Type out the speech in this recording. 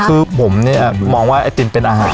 คือผมเนี่ยมองว่าไอติมเป็นอาหาร